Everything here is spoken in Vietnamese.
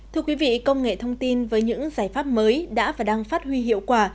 thưa quý vị công nghệ thông tin với những giải pháp mới đã và đang phát huy hiệu quả